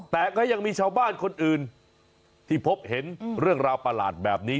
แต่ก็ยังมีชาวบ้านคนอื่นที่พบเห็นเรื่องราวประหลาดแบบนี้